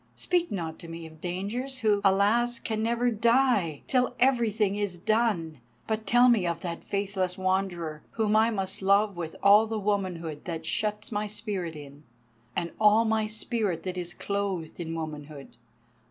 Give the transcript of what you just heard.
Speak not to me of dangers, who, alas! can never die till everything is done; but tell me of that faithless Wanderer, whom I must love with all the womanhood that shuts my spirit in, and all my spirit that is clothed in womanhood.